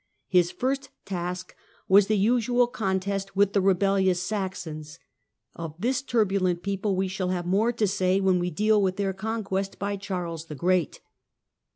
His first task was the usual contest with rebellious Saxons. Of this turbulent people we shall have more to say when we deal with their conquest by Charles the Great.